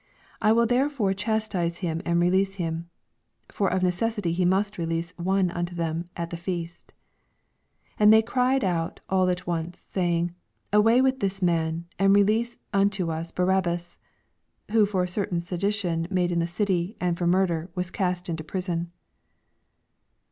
16 I will therefore chastise him, and release Aim. 17 (For of necessity he must release one unto them at the feast. ) 18 And they cried out all at once, Baying, Away with this man, and re lease unto us Barabbas : 19 (Who for a certain sedition made in the city, and for murder, waa cast into prison.)